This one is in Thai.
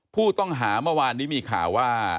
ผู้ต้องหาเมื่อวานนี้มีข่าวว่า